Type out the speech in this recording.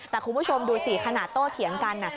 แต่คุณผู้ชมดูสิขนาดโต้เถียงกัน